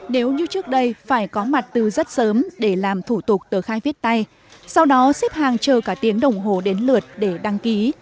nếu như trước đây phải có mặt từ rất sớm để làm thủ tục tờ khai viết tay sau đó xếp hàng chờ cả tiếng đồng hồ đến lượt để đăng ký